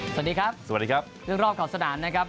สวัสดีครับสวัสดีครับเรื่องรอบขอบสนามนะครับ